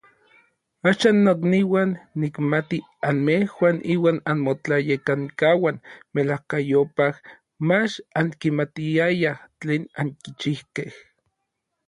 Axan, nokniuan, nikmati anmejuan inuan anmotlayekankauan melajkayopaj mach ankimatiayaj tlen ankichijkej.